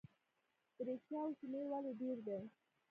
د ریکشاوو شمیر ولې ډیر دی؟